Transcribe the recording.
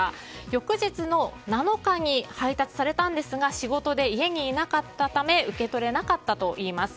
翌日の７日に配達されたんですが仕事で家にいなかったため受け取れなかったといいます。